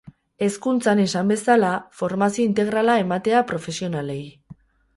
Hezkuntzan, esan bezala, formazio integrala ematea profesionalei.